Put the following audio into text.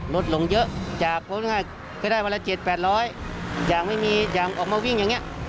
ลดลงเยอะจากเวลา๗๘๐๐อย่างไม่มีอย่างออกมาวิ่งอย่างนี้